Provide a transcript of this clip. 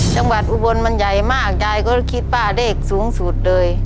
จังหวัดอุบลมันใหญ่มากยายก็คิดป่าเด็กสูงสุดเลย